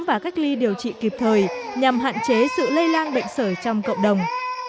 và cách ly điều trị kịp thời nhằm hạn chế sự lây lan bệnh sởi trong cộng đồng